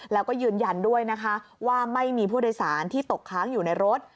แล้วก็ยืนยันด้วยนะคะว่าไม่มีผู้โดยสารที่ตกค้างอยู่ในรถ